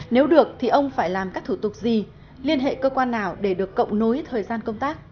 nếu được thì ông phải làm các thủ tục gì liên hệ cơ quan nào để được cộng nối thời gian công tác